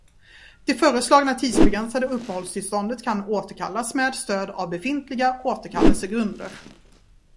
Det föreslagna tidsbegränsade uppehållstillståndet kan återkallas med stöd av befintliga återkallelsegrunder.